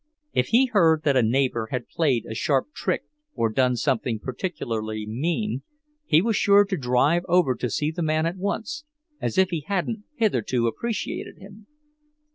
If he heard that a neighbour had played a sharp trick or done something particularly mean, he was sure to drive over to see the man at once, as if he hadn't hitherto appreciated him.